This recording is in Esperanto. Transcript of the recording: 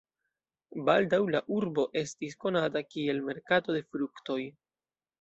Baldaŭ la urbo estis konata kiel merkato de fruktoj.